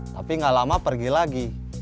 tapi gak lama pergi lagi